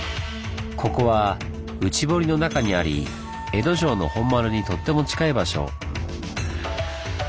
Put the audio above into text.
ここは内堀の中にあり江戸城の本丸にとっても近い場所。